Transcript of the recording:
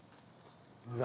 何？